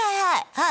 はい！